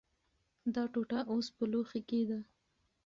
دا ټوټه اوس په لوښي کې ده.